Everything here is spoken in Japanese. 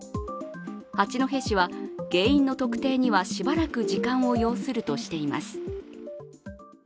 八戸市は原因の特定にはしばらく時間を要するとしています。